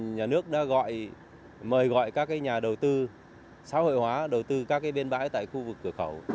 nhà nước đã gọi mời gọi các nhà đầu tư xã hội hóa đầu tư các bên bãi tại khu vực cửa khẩu